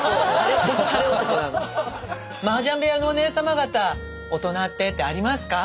マージャン部屋のおねえ様方「大人って」ってありますか？